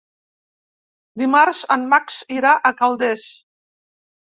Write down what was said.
Dimarts en Max irà a Calders.